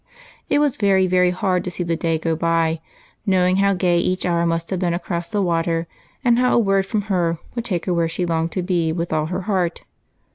It was very hard to see the day go by, knowing how gay each hour must have been across the water, and how a word from her would take her where she longed to be with all her heart.